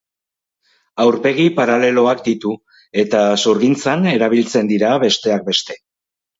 Aurpegi paraleloak ditu eta zurgintzan erabiltzen dira, besteak beste.